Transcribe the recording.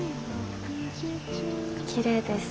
きれいです。